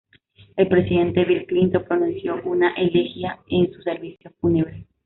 El presidente Bill Clinton pronunció una elegía en su servicio fúnebre.